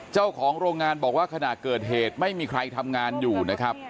เจ้าของโรงงานบอกว่าขณะเกิดเหตุไม่มีใครทำงานอยู่นะครับ